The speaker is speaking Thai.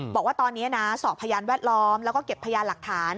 บอกว่าตอนนี้นะสอบพยานแวดล้อมแล้วก็เก็บพยานหลักฐาน